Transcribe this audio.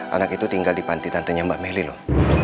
anak itu tinggal di panti tantenya mbak meli loh